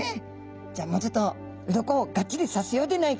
「じゃあもうちょっとうろこをガッチリさせようでないか」。